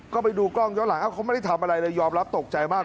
ก็ไปดูกล้องย้อนหลังเขาไม่ได้ทำอะไรเลยยอมรับตกใจมาก